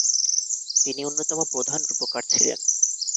তিনি অন্যতম প্রধান রূপকার ছিলেন।